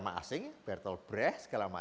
p submit porno pengenalan otdym